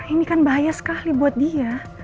ini kan bahaya sekali buat dia